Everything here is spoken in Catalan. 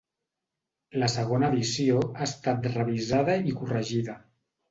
La segona edició ha estat revisada i corregida.